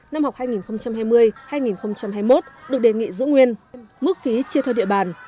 năm học hai nghìn hai mươi hai nghìn hai mươi một được đề nghị giữ nguyên mức phí chia theo địa bàn